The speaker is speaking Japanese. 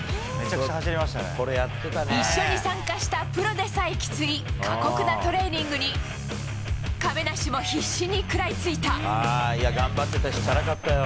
一緒に参加したプロでさえきつい、過酷なトレーニングに、頑張ってたし、チャラかったよ。